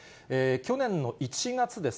去年の１月です。